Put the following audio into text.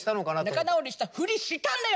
仲直りしたふりしたんだよ！